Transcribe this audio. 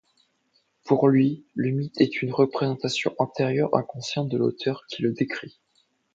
Pour lui, le mythe est une représentation intérieure inconsciente de l’auteur qui le décrit.